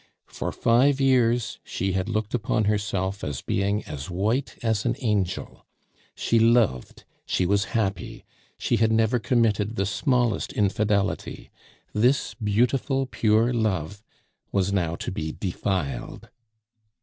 For five years she had looked upon herself as being as white as an angel. She loved, she was happy, she had never committed the smallest infidelity. This beautiful pure love was now to be defiled.